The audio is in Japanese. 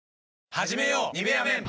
はじめよう「ニベアメン」